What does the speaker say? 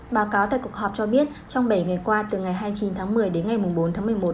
báo cáo tại cuộc họp cho biết trong bảy ngày qua từ ngày hai mươi chín tháng một mươi đến ngày bốn tháng một mươi một